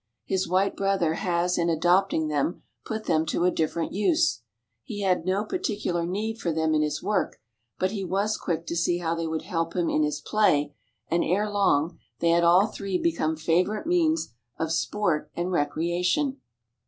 His white brother has in adopting them put them to a different use. He had no particular need for them in his work, but he was quick to see how they would help him in his play, and erelong they had all three become favourite means of sport and recreation.